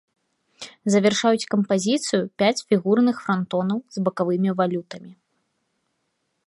Завяршаюць кампазіцыю пяць фігурных франтонаў з бакавымі валютамі.